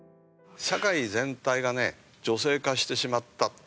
社会全体がね女性化してしまった。